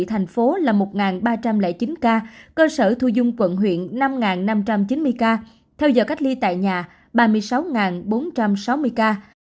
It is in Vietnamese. thành phố là một ba trăm linh chín ca cơ sở thu dung quận huyện năm năm trăm chín mươi ca theo giờ cách ly tại nhà ba mươi sáu bốn trăm sáu mươi ca